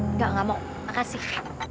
enggak enggak mau makasih